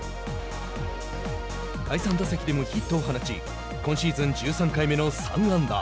第３打席でもヒットを放ち今シーズン１３回目の３安打。